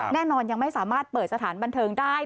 ยังไม่สามารถเปิดสถานบันเทิงได้